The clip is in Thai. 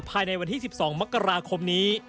ภายในวันที่๑๒มกราคมนี้